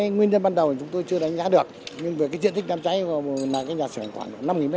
nguyên nhân ban đầu chúng tôi chưa đánh giá được nhưng với cái diện tích đám cháy là cái nhà sửa khoảng năm m hai